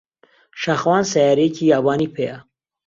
شاخەوان سەیارەیەکی یابانی پێیە.